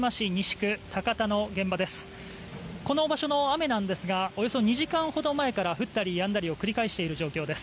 この場所の雨なんですがおよそ２時間ほど前から降ったりやんだりを繰り返している状況です。